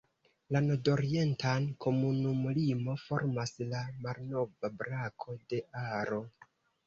La nordorientan komunumlimo formas la malnova brako de Aro.